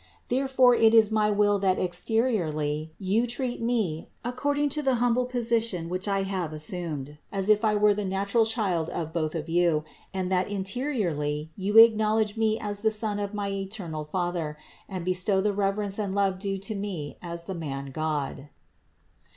Therefore it is my will that exteriorly you treat Me according to the humble position which I have as sumed, as if I were the natural child of both of you, and that interiorly you acknowledge Me as the Son of my eternal Father, and bestow the reverence and love due to Me as the Man God."